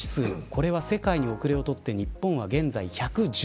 これは世界に後れをとって日本は現在１１６位。